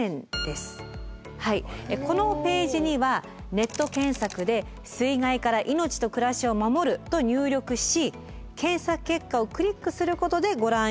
このページにはネット検索で「水害から命と暮らしを守る」と入力し検索結果をクリックすることでご覧頂くことができます。